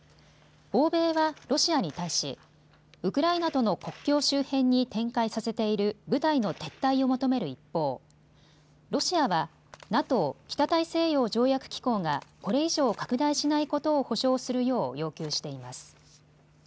欧米はロシアに対し、ウクライナとの国境周辺に展開させている部隊の撤退を求める一方、ロシアはＮＡＴＯ・北大西洋条約機構が、これ以上拡大しないことを保証するよう要求しています。